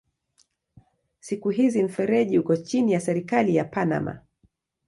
Siku hizi mfereji uko chini ya serikali ya Panama.